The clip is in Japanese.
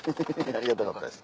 ありがたかったです。